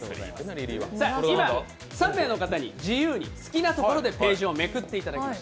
今３名の方に自由に好きなところにページをめくっていただきました。